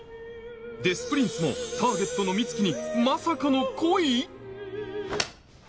デス・プリンスもターゲットの美月にまさかの恋！？